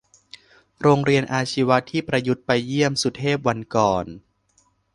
โรงเรียนอาชีวะที่ประยุทธ์ไปเยี่ยมสุเทพวันก่อน